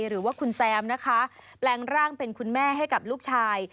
หรือว่าคุณแซมนะคะแปลงร่างเป็นคุณแม่ให้กับลูกชาย